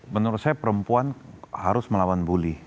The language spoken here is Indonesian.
menurut saya perempuan harus melawan bully